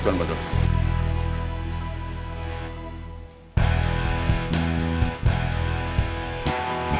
tuan mudo saktu